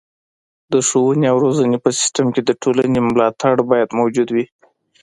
د ښوونې او روزنې په سیستم کې د ټولنې ملاتړ باید موجود وي.